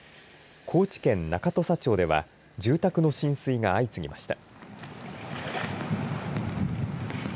高知県中土佐町では住宅の浸水が相次ぎました。